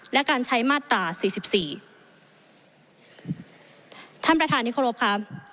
และการใช้มาตราสี่สิบสี่ท่านประธานิคโรปค่ะ